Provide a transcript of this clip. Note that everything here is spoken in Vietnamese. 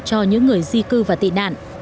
cho những người di cư và tị nạn